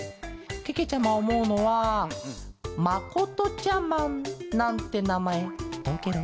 けけちゃまおもうのはまことちゃマンなんてなまえどうケロ？